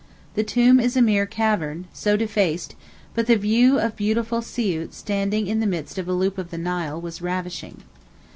The tomb is a mere cavern, so defaced, but the view of beautiful Siout standing in the midst of a loop of the Nile was ravishing.